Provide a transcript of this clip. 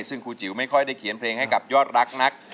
ซึ่งครูจิ๋วไม่ค่อยได้เขียนเพลงให้กับยอดรักนัก